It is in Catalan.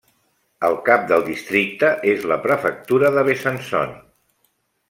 El cap del districte és la prefectura de Besançon.